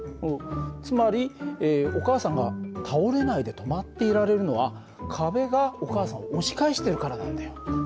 つまりお母さんが倒れないで止まっていられるのは壁がお母さんを押し返してるからなんだよ。